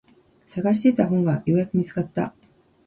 探していた本がようやく見つかった。